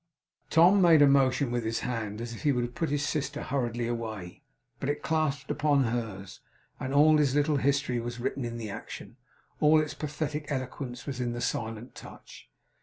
Tom made a motion with his hand as if he would have put his sister hurriedly away; but it clasped upon hers, and all his little history was written in the action. All its pathetic eloquence was in the silent touch.